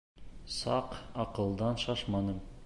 Саҡ аҡылдан шашманым.